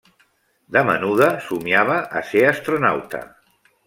De menuda somiava a ser astronauta.